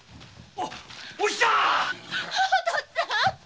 お父っつぁん‼